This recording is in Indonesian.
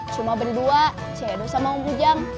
cuma berdua saya dosa sama om pujang